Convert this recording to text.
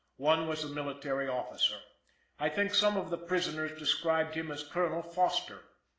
One was a military officer. I think some of the prisoners described him as Colonel Foster.